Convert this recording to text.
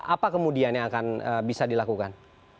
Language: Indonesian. apa kemudian yang akan bisa dilakukan